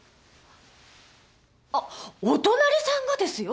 あっお隣さんがですよ！